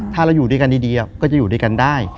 ถ้าเราอยู่ด้วยกันดีก็จะอยู่ด้วยกันได้